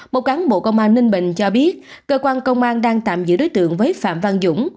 một cán bộ công an ninh bình cho biết cơ quan công an đang tạm giữ đối tượng với phạm văn dũng